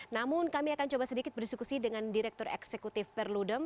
namun kami akan coba sedikit berdiskusi dengan direktur eksekutif perludem